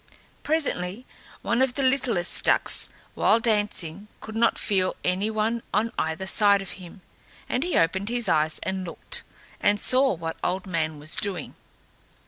Presently one of the littlest ducks while dancing could not feel any one on either side of him, and he opened his eyes and looked, and saw what Old Man was doing.